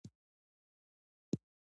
کار د زغم او دوام غوښتنه کوي